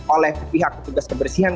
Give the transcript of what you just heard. oleh pihak petugas kebersihan